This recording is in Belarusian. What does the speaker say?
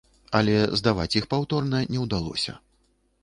Але здаваць іх паўторна не ўдалося.